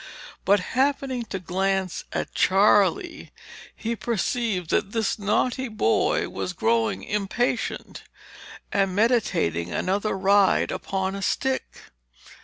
But, happening to glance at Charley, he perceived that this naughty boy was growing impatient, and meditating another ride upon a stick.